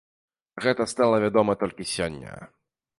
Пра гэта стала вядома толькі сёння.